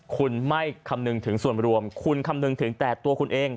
คุณไม่คำนึงถึงส่วนรวมคุณคำนึงถึงแต่ตัวคุณเอง